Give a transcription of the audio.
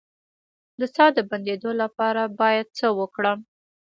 د ساه د بندیدو لپاره باید څه وکړم؟